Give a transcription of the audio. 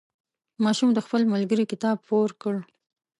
ماشوم د خپل ملګري کتاب پور کړ.